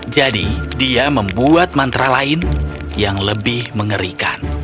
jadi dia membuat mantra lain yang lebih mengerikan